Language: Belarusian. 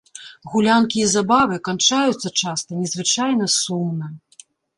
Гулянкі і забавы канчаюцца часта незвычайна сумна.